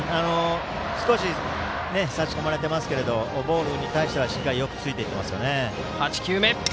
少し差し込まれてますけどボールに対してはしっかりよくついていっています。